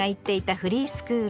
フリースクール。